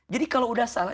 jadi kalau sudah salah